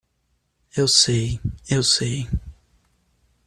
Eu sei, eu sei.